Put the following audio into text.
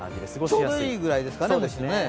ちょうどいいぐらいですかね。